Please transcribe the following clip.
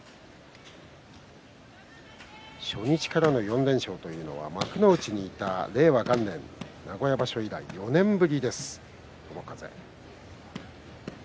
初日からの４連勝というのは幕内にいた令和元年名古屋場所以来４年ぶりです。